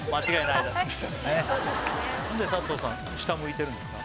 何で佐藤さん下向いてるんですか？